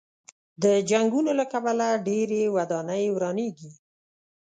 د جنګونو له کبله ډېرې ودانۍ ورانېږي.